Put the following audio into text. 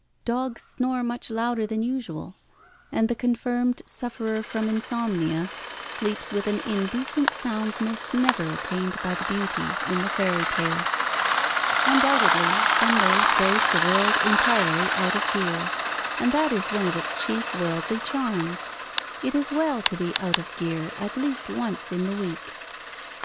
Dogs snore much louder than usual, and the confirmed sufferer from insomnia sleeps with an indecent soundness never attained by the beauty in the fairy tale. Undoubtedly, Sunday throws the world entirely out of gear, and that is one of its chief worldly charms. It is well to be out of gear at least once in the week.